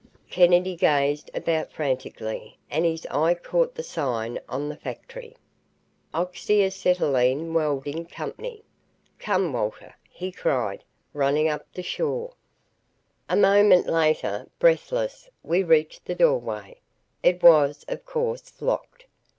Kennedy gazed about frantically and his eye caught the sign on the factory: OXYACETYLENE WELDING CO. "Come, Walter," he cried, running up the shore. A moment later, breathless, we reached the doorway. It was, of course, locked.